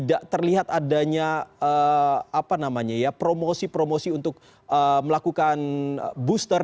tidak terlihat adanya promosi promosi untuk melakukan booster